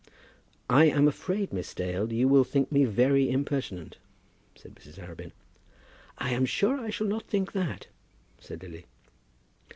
"I am afraid, Miss Dale, you will think me very impertinent," said Mrs. Arabin. "I am sure I shall not think that," said Lily.